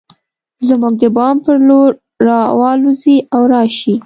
زموږ د بام پر لور راوالوزي او راشي